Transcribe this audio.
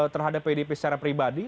terhadap pdip secara pribadi